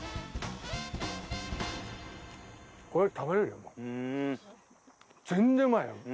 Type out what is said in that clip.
これ食べれるよ。